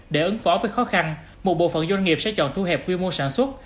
để ứng phó với khó khăn một bộ phận doanh nghiệp sẽ chọn thu hẹp quy mô sản xuất